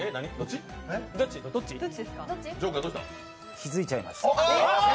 気づいちゃいました。